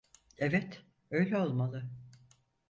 Evet, öyle olmalı.